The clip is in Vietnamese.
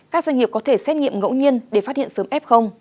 các doanh nghiệp có thể xét nghiệm ngẫu nhiên để phát hiện sớm f